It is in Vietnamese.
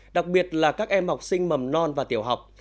đặc biệt là các em học sinh mầm non và tiểu học